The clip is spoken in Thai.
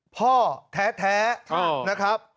พ่อแท้นะครับ